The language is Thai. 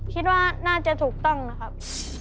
คิดว่าน่าจะถูกต้องนะครับ